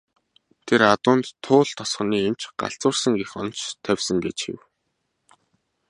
Тэр адуунд Туул тосгоны эмч "галзуурсан" гэх онош тавьсан гэж гэв.